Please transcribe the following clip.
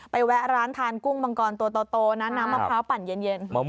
แวะร้านทานกุ้งมังกรตัวโตนะน้ำมะพร้าวปั่นเย็น